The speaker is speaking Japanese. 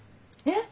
えっ？